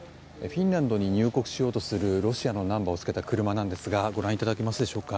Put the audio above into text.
フィンランドに入国しようとするロシアのナンバーをつけた車なんですがご覧いただけますでしょうか